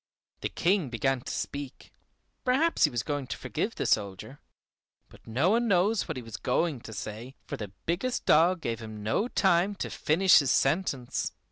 The King began to speak; perhaps he was going to forgive the soldier, but no one knows what he was going to say, for the biggest dog gave him no time to finish his sentence.